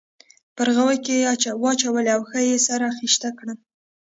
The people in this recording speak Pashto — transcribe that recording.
په ورغوي کې یې واچولې او ښه یې سره خیشته کړل.